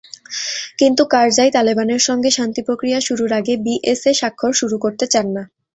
কিন্তু কারজাই তালেবানের সঙ্গে শান্তিপ্রক্রিয়া শুরুর আগে বিএসএ স্বাক্ষর করতে চান না।